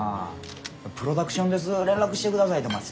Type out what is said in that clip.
プロダクションです連絡してくださいてお前